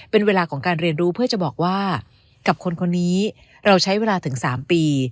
เป็นเวลาของการเรียนรู้เพื่อจะบอกว่ากับคนคนนี้เราใช้เวลาถึง๓ปี